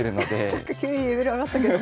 なんか急にレベル上がったけど。